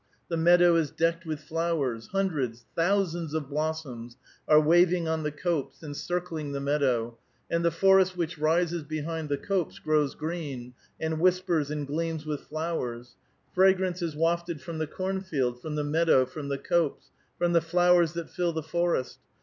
The meadow is decked with flowers ; hundreds, thousands of blossoms are waving on the copse enciivling the meadow, and the forest which rises behind the copse grows green, and whispers and gleams with flowers ; fragrance is wafted from the cornfield, from the meadow, from the copse, from the flowers that fill the forest.